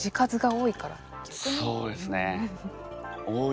そうですね多い。